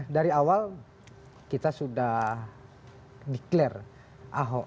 dari awal kita sudah declare ahok